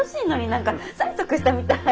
何か催促したみたい！